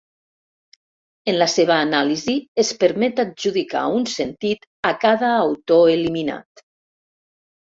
En la seva anàlisi es permet adjudicar un sentit a cada autor eliminat.